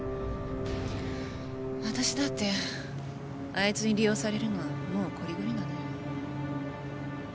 私だってあいつに利用されるのはもうこりごりなのよ。